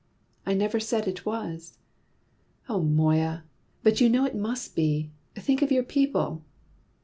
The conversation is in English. "I never said it was." "Oh, Moya, but you know it must be. Think of your people!"